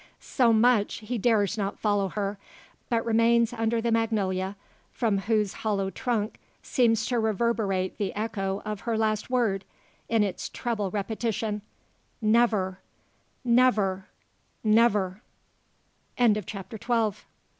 So much, he dares not follow her, but remains under the magnolia; from whose hollow trunk seems to reverberate the echo of her last word, in its treble repetition: "never never never!" CHAPTER THIRTEEN.